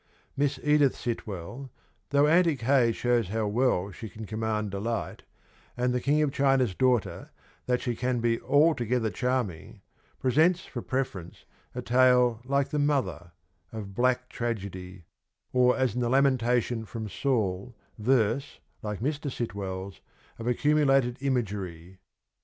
Miss Edith Sitwell, though ' Antic Hay ' shows how well she can command delight, and ' The King of China's Daughter ' that she can be altogether charming, presents for preference a tale like The Mother ' of black tragedy, or, as in the Lamentation from Saul,' verse, like Mr. Sitwell's, of accumulated imagery.